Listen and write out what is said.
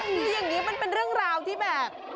คืออย่างนี้มันเป็นเรื่องราวที่แบบ